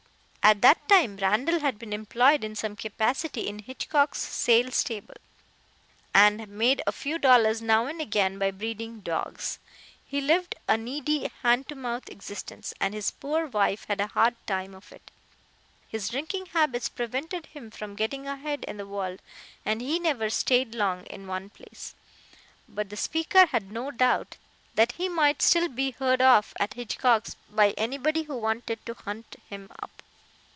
At that time Randall had been employed in some capacity in Hitchcock's sale stable, and made a few dollars now and again by breeding dogs. He lived a needy hand to mouth existence, and his poor wife had a hard time of it. His drinking habits prevented him from getting ahead in the world, and he never staid long in one place, but the speaker had no doubt that he might still be heard of at Hitchcock's by anybody who wanted to hunt him up.